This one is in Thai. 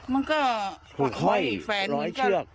มันก็ถอยแฟนโยงเรือร้อยเชือก